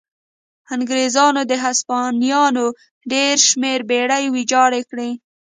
انګرېزانو د هسپانویانو ډېر شمېر بېړۍ ویجاړې کړې.